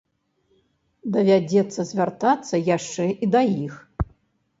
Давядзецца звяртацца яшчэ і да іх.